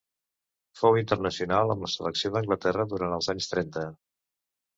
Fou internacional amb la selecció d'Anglaterra durant els anys trenta.